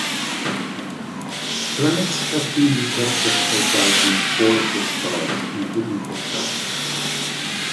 Planets have been detected orbiting four of the stars, including Kochab.